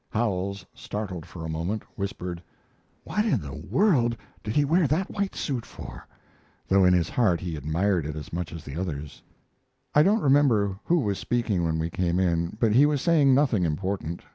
Howells, startled for a moment, whispered: "What in the world did he wear that white suit for?" though in his heart he admired it as much as the others. I don't remember who was speaking when we came in, but he was saying nothing important.